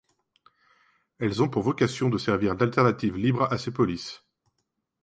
Elles ont pour vocation de servir d'alternative libre à ces polices.